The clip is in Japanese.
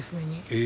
え！？